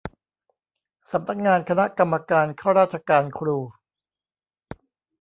สำนักงานคณะกรรมการข้าราชการครู